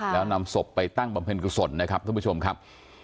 แล้วนำศพไปตั้งบำเพ็ญกุศลนะครับท่านผู้ชมครับ